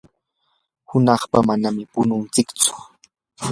hunaqpa manami pununtsichu.